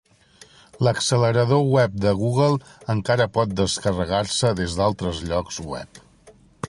L'accelerador web de Google encara pot descarregar-se des d'altres llocs web.